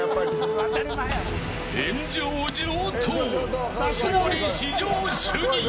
炎上上等、勝利至上主義。